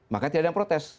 maka tidak ada yang protes